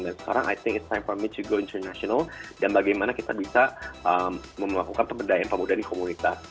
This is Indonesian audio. dan sekarang i think it's time for me to go international dan bagaimana kita bisa memakukan pemberdayaan pemuda di komunitas